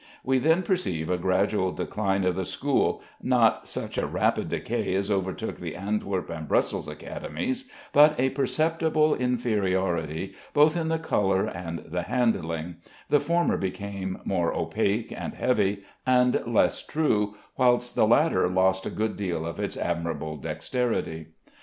We then perceive a gradual decline of the school, not such a rapid decay as overtook the Antwerp and Brussels academies, but a perceptible inferiority both in the color and the handling; the former became more opaque and heavy, and less true, whilst the latter lost a good deal of its admirable dexterity.